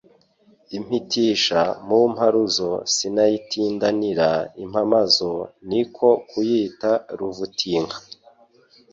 Impitisha mu mparuzo, Sinayitindanira impamagazo, Ni ko kuyita Ruvutinka